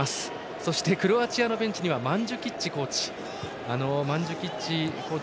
そしてクロアチアのベンチにはマンジュキッチコーチ。